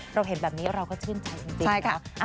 เราเห็นแบบนี้เราก็ชื่นใจจริงนะคะ